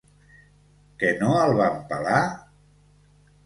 Que no el van pelar?